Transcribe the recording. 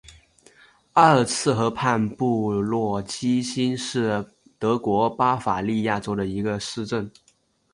阿尔茨河畔布格基兴是德国巴伐利亚州的一个市镇。